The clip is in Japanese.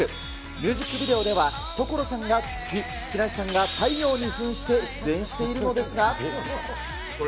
ミュージックビデオでは所さんが月、木梨さんが太陽にふんして出演しているのですが。